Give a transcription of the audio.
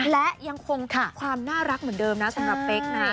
และยังคงความน่ารักเหมือนเดิมนะสำหรับเป๊กนะฮะ